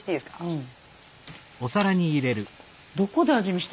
うん。